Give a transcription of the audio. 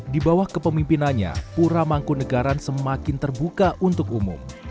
di bawah kepemimpinannya pura mangkunegaran semakin terbuka untuk umum